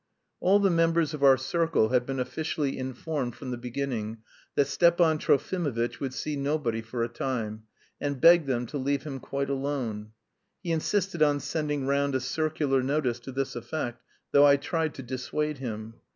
All the members of our circle had been officially informed from the beginning that Stepan Trofimovitch would see nobody for a time, and begged them to leave him quite alone. He insisted on sending round a circular notice to this effect, though I tried to dissuade him.